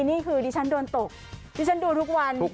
ที่ฉันโดนตกที่ฉันดูทุกวัน